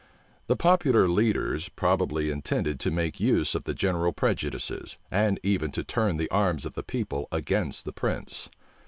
The popular leaders probably intended to make use of the general prejudices, and even to turn the arms of the people against the prince.